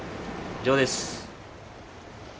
以上です。